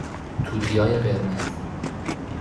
توتیای قرمز